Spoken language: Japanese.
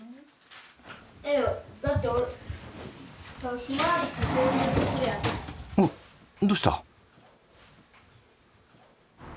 おっどうした？